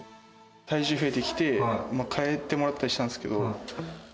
体重増えてきて、替えてもらったりしたんですけど。